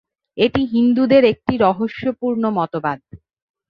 এটি হিন্দুদের একটি রহস্যপূর্ণ মতবাদ।